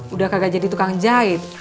udah kagak jadi tukang jahit